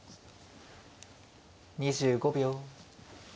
２５秒。